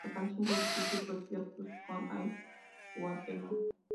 La canción fue escrita y producida por Stock, Aitken and Waterman.